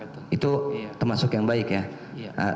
itu termasuk yang baik ya